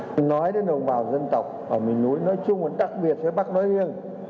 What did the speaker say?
chúng tôi nói đến đồng bào dân tộc ở miền núi nói chung là đặc biệt với bắc nói liêng